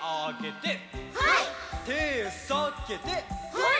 はい！